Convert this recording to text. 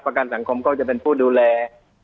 ประกันสังคมก็จะเป็นผู้ดูแล